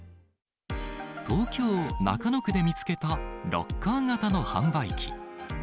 東京・中野区で見つけたロッカー型の販売機。